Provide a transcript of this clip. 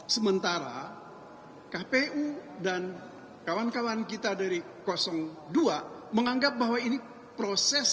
sementara kpu dan kawan kawan kita dari dua menganggap bahwa ini proses